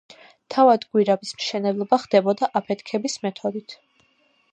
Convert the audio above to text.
თავად გვირაბის მშენებლობა ხდებოდა აფეთქების მეთოდით.